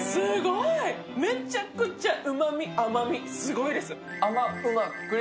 めっちくちゃうまみ、甘み、すごいです！